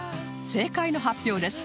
正解の発表です